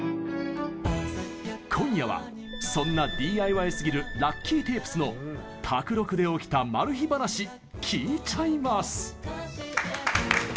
今夜はそんなＤＩＹすぎるＬＵＣＫＹＴＡＰＥＳの宅録で起きたマル秘バナシ聞いちゃいます！